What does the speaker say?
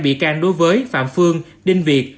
bị can đối với phạm phương đinh việt